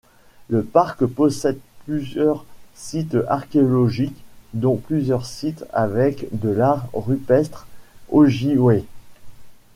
Le parc possède plusieurs sites archéologiques dont plusieurs sites avec de l'art rupestre ojibwé.